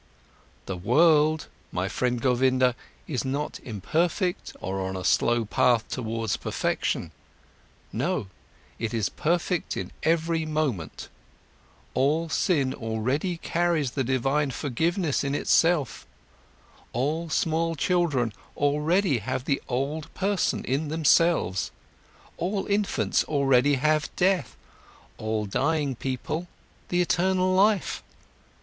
The world, my friend Govinda, is not imperfect, or on a slow path towards perfection: no, it is perfect in every moment, all sin already carries the divine forgiveness in itself, all small children already have the old person in themselves, all infants already have death, all dying people the eternal life.